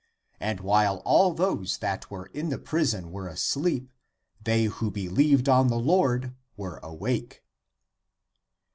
And while all those that were in the prison were asleep, they who believed on the Lord were awake.